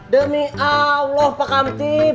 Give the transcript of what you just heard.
demi allah pak kamti